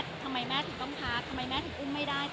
ทำไมแม่ถึงต้องพักทำไมแม่ถึงอุ้มไม่ได้